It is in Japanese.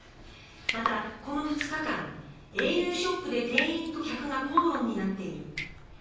また、この２日間「ａｕショップで店員と客が口論になっている」